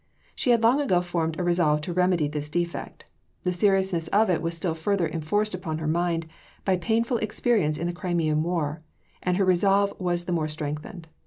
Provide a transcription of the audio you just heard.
She had long ago formed a resolve to remedy this defect; the seriousness of it was still further enforced upon her mind by painful experience in the Crimean War; and her resolve was the more strengthened.